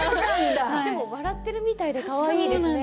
笑っているみたいでかわいいですね。